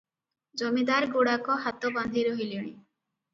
ଜମିଦାରଗୁଡ଼ାକ ହାତ ବାନ୍ଧି ରହିଲେଣି ।